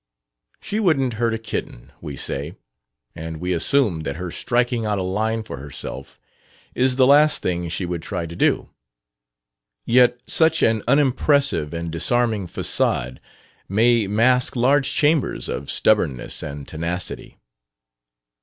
She "wouldn't hurt a kitten," we say; and we assume that her "striking out a line for herself" is the last thing she would try to do. Yet such an unimpressive and disarming façade may mask large chambers of stubbornness and tenacity.